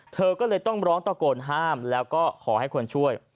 เธอก็เลยต้องร้องตะโกนห้ามแล้วก็ขอให้คนช่วย